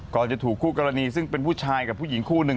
ก่อนจะถูกคู่กรณีซึ่งเป็นผู้ชายกับผู้หญิงคู่หนึ่ง